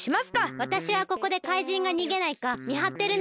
わたしはここでかいじんがにげないかみはってるね！